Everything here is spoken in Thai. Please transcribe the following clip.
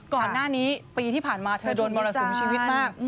ก่อนหน้านี้ปีที่ผ่านมาเธอโดนมรสุมชีวิตมาก